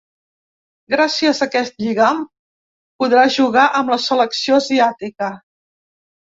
Gràcies a aquest lligam, podrà jugar amb la selecció asiàtica.